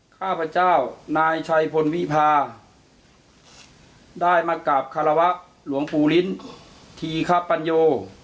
ข้าพเจ้านายชัยพลวิพาได้มากราบคารวะหลวงปู่ลิ้นทีคปัญโย